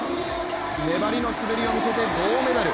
粘りの滑りを見せて銅メダル。